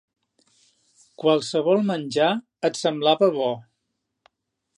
Qualsevol menjar et semblava bo